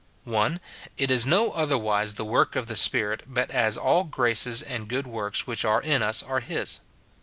[1.] It is no otherwise the work of the Spirit but as all graces and good works which are in us are his.